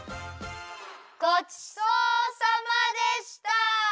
ごちそうさまでした！